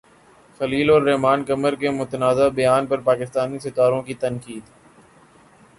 خلیل الرحمن قمر کے متنازع بیان پر پاکستانی ستاروں کی تنقید